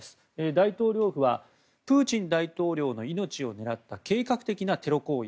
大統領府はプーチン大統領の命を狙った計画的なテロ行為